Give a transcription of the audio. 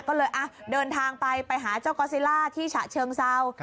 ก็เลยเดินทางไปไปหาเจ้ากอซิล่าที่ฉะเชิงเซา